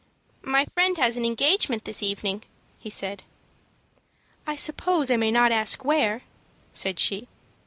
"My friend has an engagement this evening," he said. "I suppose I may not ask where," said she.